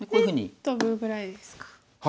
でトブぐらいですか。